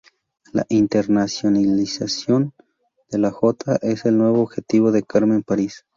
La internacionalización de la Jota es el nuevo objetivo de Carmen París.